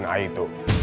tes dna itu